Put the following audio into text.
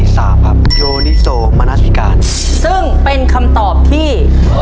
สามครับโยนิโซมนาธิการซึ่งเป็นคำตอบที่